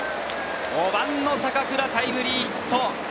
５番・坂倉、タイムリーヒット！